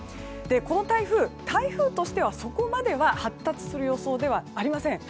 この台風、台風としてはそこまでは発達する予想ではありません。